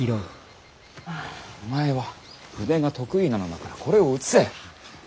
お前は筆が得意なのだからこれを写せ。